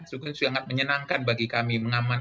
sangat menyenangkan bagi kami